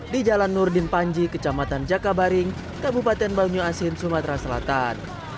di jalan nurdin panji kecamatan jakabaring kabupaten banyu asin sumatera selatan